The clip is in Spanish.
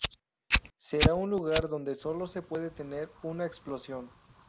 Será un lugar donde sólo se puede tener una explosión.